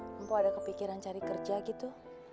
mpok mpok ada kepikiran cari kerja gitu